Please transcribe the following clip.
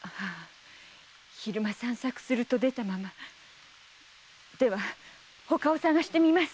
昼間散策すると出たままでは他を捜してみます。